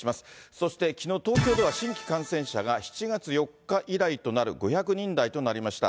そしてきのう、東京では新規感染者が、７月４日以来となる５００人台となりました。